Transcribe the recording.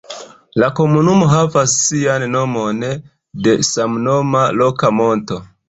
La komunumo havas sian nomon de samnoma loka monto.